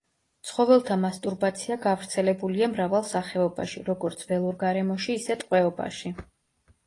ცხოველთა მასტურბაცია გავრცელებულია მრავალ სახეობაში, როგორც ველურ გარემოში, ისე ტყვეობაში.